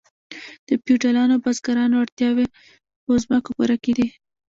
د فیوډالانو او بزګرانو اړتیاوې په ځمکو پوره کیدې.